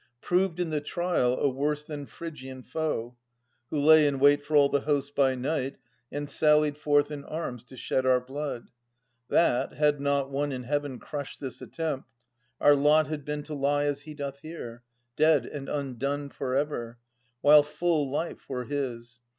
Proved in the trial a worse than Phrygian foe. Who lay in wait for all the host by night. And sallied forth in arms to shed our blood ; That, had not one in Heaven crushed this attempt. Our lot had been to lie as he doth here Dead and undone for ever, while full life Were his.